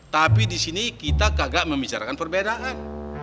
tapi disini kita kagak membicarakan perbedaan